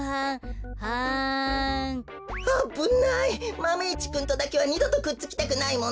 マメ１くんとだけは２どとくっつきたくないもんね。